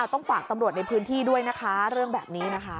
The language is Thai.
ต้องฝากตำรวจในพื้นที่ด้วยนะคะเรื่องแบบนี้นะคะ